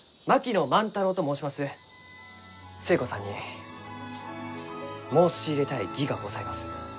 寿恵子さんに申し入れたい儀がございます。